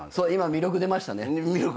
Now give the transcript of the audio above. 魅力出ました。